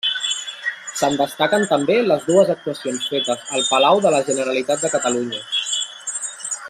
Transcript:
Se'n destaquen també les dues actuacions fetes al Palau de la Generalitat de Catalunya.